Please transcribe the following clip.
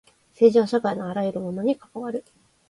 政治は社会のあらゆるものに関わる。